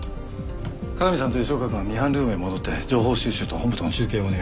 加賀美さんと吉岡君はミハンルームへ戻って情報収集と本部との中継をお願いします。